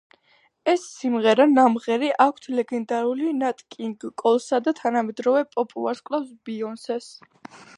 ეს სიმღერა ნამღერი აქვთ ლეგენდარულ ნატ კინგ კოლსა და თანამედროვე პოპ ვარსკვლავს ბიონსეს.